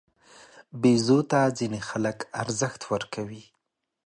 بیزو ته ځینې خلک ارزښت ورکوي.